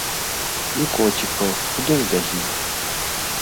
І коцікаў, куды ж без іх!